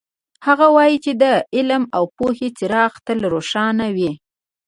هغه وایي چې د علم او پوهې څراغ تل روښانه وي